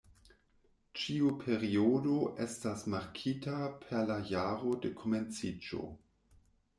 Ĉiu periodo estas markita per la jaro de komenciĝo.